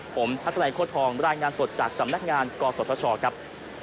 ผมทัศนัยโค้ดทองรายงานสดจากสำนักงานกศธชครับ